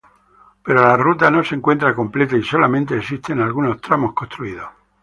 Pero la Ruta no se encuentra completa y solamente existen algunos tramos construidos.